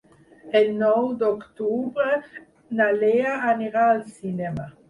El nou d'octubre na Lea anirà al cinema.